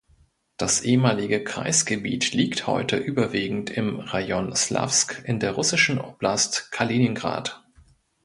Das ehemalige Kreisgebiet liegt heute überwiegend im Rajon Slawsk in der russischen Oblast Kaliningrad.